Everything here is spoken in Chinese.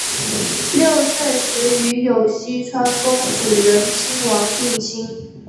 六岁时与有栖川宫炽仁亲王订婚。